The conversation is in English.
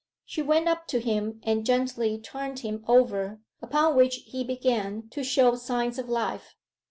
She went up to him and gently turned him over, upon which he began to show signs of life.